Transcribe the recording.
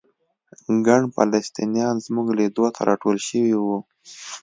ګڼ فلسطینیان زموږ لیدو ته راټول شوي وو.